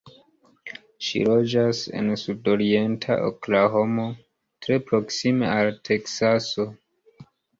Ŝi loĝas en sudorienta Oklahomo, tre proksime al Teksaso.